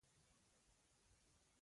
زه د هنري نندارتون لیدنه کوم.